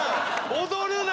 踊るな！